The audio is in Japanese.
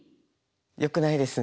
よくないです。